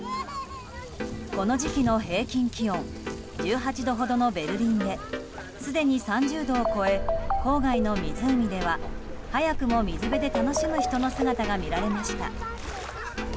この時期の平均気温１８度ほどのベルリンですでに３０度を超え郊外の湖では早くも、水辺で楽しむ人の姿が見られました。